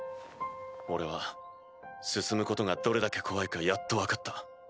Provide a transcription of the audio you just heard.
俺は進むことがどれだけ怖いかやっと分かった。